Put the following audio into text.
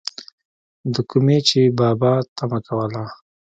دَکومې چې بابا طمع لرله،